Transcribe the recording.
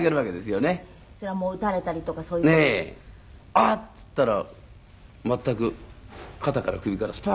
「あっ！」って言ったら全く肩から首からスポーッとね。